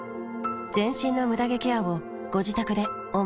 全身のムダ毛ケアをご自宅で思う存分。